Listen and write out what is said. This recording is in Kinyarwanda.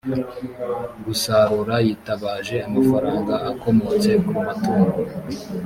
gusarura yitabaje amafaranga akomotse ku matungo